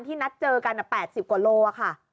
นัดเจอกัน๘๐กว่าโลค่ะ